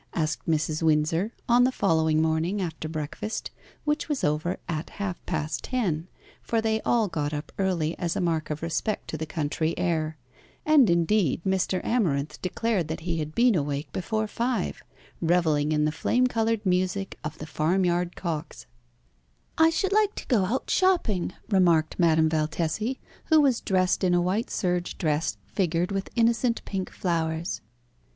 asked Mrs. Windsor on the following morning after breakfast, which was over at half past ten, for they all got up early as a mark of respect to the country air; and indeed, Mr. Amarinth declared that he had been awake before five, revelling in the flame coloured music of the farmyard cocks. "I should like to go out shopping," remarked Madame Valtesi, who was dressed in a white serge dress, figured with innocent pink flowers.